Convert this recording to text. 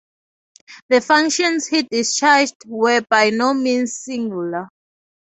The functions he discharged were by no means singular.